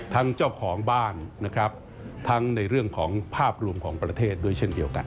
เจ้าของบ้านนะครับทั้งในเรื่องของภาพรวมของประเทศด้วยเช่นเดียวกัน